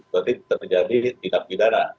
berarti terjadi tidak pidana